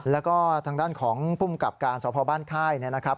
แล้วก็ทางด้านของภูมิกับการสพบ้านค่ายเนี่ยนะครับ